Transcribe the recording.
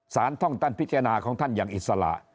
ท่องตันพิจารณาของท่านอย่างอิสระ